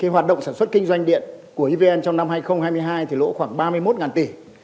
hoạt động sản xuất kinh doanh điện của evn trong năm hai nghìn hai mươi hai lỗ khoảng ba mươi một tỷ